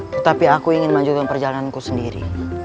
tetapi aku ingin melanjutkan perjalananku sendiri